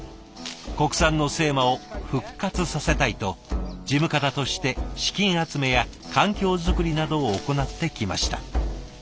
国産の精麻を復活させたいと事務方として資金集めや環境作りなどを行ってきました。